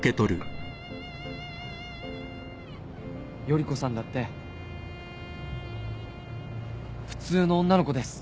依子さんだって普通の女の子です。